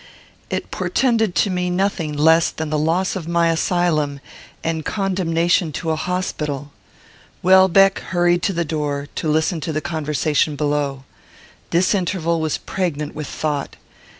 It portended to me nothing less than the loss of my asylum, and condemnation to an hospital. Welbeck hurried to the door, to listen to the conversation below. This interval was pregnant with thought.